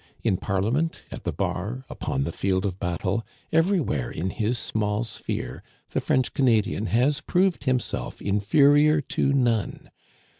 In Parlia* ment, at the bar, upon the field of battle, everywhere in his small sphere, the French Canadian has proved him self inferior to none.